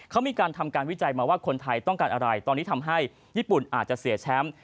เขามีการทำการวิจัยมาว่าคนไทยต้องการอะไรตอนนี้ทำให้ญี่ปุ่นอาจจะเสียแชมป์